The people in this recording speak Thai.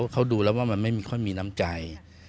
เขาดูแล้วว่ามันไม่ค่อยมีน้ำใจ